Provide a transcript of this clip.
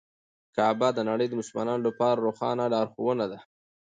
کعبه د نړۍ د مسلمانانو لپاره روښانه لارښوونه ده.